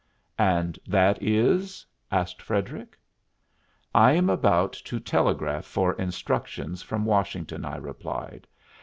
"And that is ?" asked Frederic. "I am about to telegraph for instructions from Washington," I replied.